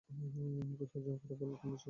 মুখে তর্জন করে বললে, তুমি বিশ্বাস কর?